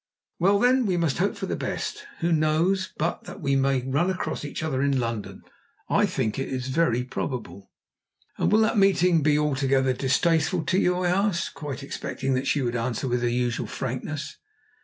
"Well, then, we must hope for the best. Who knows but that we may run across each other in London. I think it is very probable." "And will that meeting be altogether distasteful to you?" I asked, quite expecting that she would answer with her usual frankness.